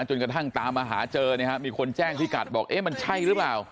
จนกระทั่งตามมาหาเจอมีคนแจ้งพิกัดบอกเอ๊ะมันใช่หรือเปล่า